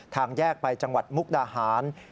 ทางแยกไปจังหวัดมุกดาหาร